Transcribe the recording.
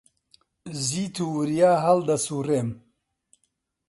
زیت و وریا هەڵدەسووڕێم.